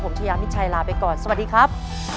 ผมชายามิชัยลาไปก่อนสวัสดีครับ